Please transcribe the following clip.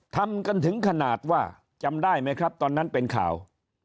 ทำกันถึงขนาดว่าจำได้ไหมครับตอนนั้นเป็นข่าว